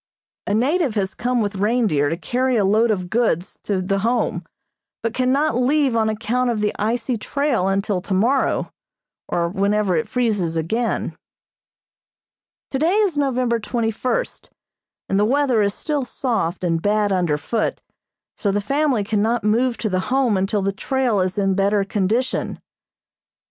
A native has come with reindeer to carry a load of goods to the Home, but cannot leave on account of the icy trail until tomorrow, or whenever it freezes again. Today is November twenty first, and the weather is still soft and bad under foot, so the family cannot move to the Home until the trail is in better condition.